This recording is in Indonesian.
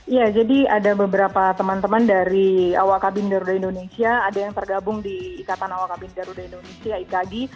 iya jadi ada beberapa teman teman dari awak kabin garuda indonesia ada yang tergabung di ikatan awak kabin garuda indonesia itagi